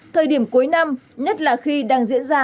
thời điểm cuối năm nhất là khi đang diễn ra